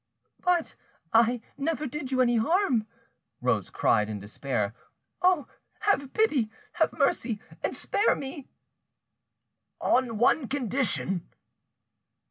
"But I never did you any harm," Rose cried in despair. "Oh! have pity, have mercy, and spare me!" "On one condition."